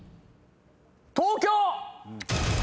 東京！